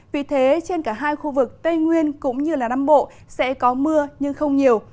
vì thế trên cả hai khu vực tây nguyên cũng như nam bộ sẽ có mưa nhưng không nhiều